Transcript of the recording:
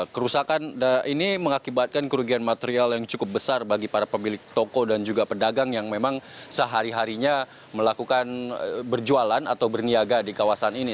kerusakan ini mengakibatkan kerugian material yang cukup besar bagi para pemilik toko dan juga pedagang yang memang sehari harinya melakukan berjualan atau berniaga di kawasan ini